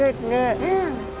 うん。